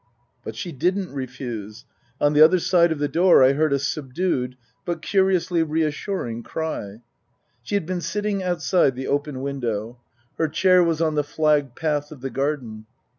But she didn't refuse. On the other side of the door I heard a subdued, but curiously reassuring cry. She had been sitting outside the open window. Her Book I : My Book 69 chair was on the flagged path of the garden.